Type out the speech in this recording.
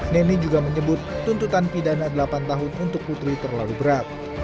neni juga menyebut tuntutan pidana delapan tahun untuk putri terlalu berat